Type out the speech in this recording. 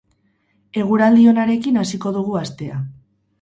Eguraldi onarekin hasiko dugu astea.